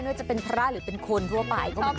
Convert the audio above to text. ว่าจะเป็นพระหรือเป็นคนทั่วไปก็เหมือนกัน